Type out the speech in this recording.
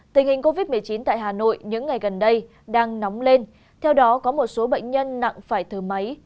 tình hình covid một mươi chín tại hà nội những ngày gần đây đang nóng lên theo đó có một số bệnh nhân nặng phải thở máy